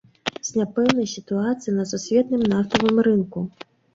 З няпэўнай сітуацыяй на сусветным нафтавым рынку.